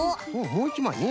もういちまいね。